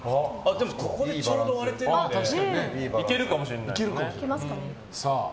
でもここでちょうど割れているので行けるかもしれない。